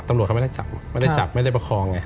อาจารย์เขาไม่ได้จับไม่ได้ประคองไง